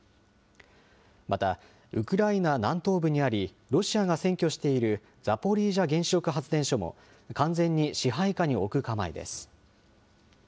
また、ウクライナ南東部にあり、ロシアが占拠しているザポリージャ原子力発電所も完全に支配下に置く構えです。